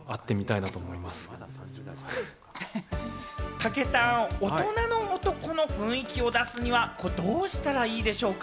たけたん、大人の男の雰囲気を出すにはどうしたらいいでしょうか？